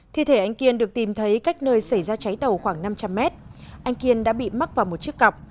thi thể anh kiên được tìm thấy cách nơi xảy ra cháy tàu khoảng năm trăm linh mét anh kiên đã bị mắc vào một chiếc cọc